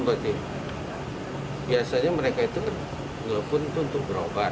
biasanya mereka itu nelfon itu untuk berobat